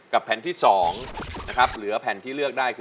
ใช้